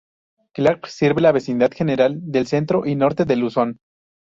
Clark sirve la vecindad general del centro y norte de Luzón.